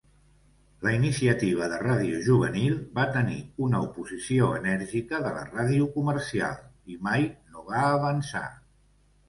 La iniciativa de ràdio juvenil va tenir una oposició enèrgica de la ràdio comercial i mai no va avançar.